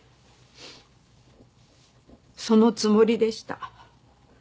そのつもりでした。